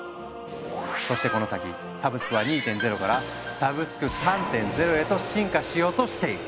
そしてこの先サブスクは２．０から「サブスク３．０」へと進化しようとしている。